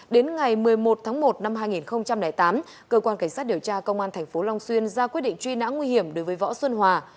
đến ngày một mươi một tháng một năm hai nghìn tám cơ quan cảnh sát điều tra công an tp long xuyên ra quyết định truy nã nguy hiểm đối với võ xuân hòa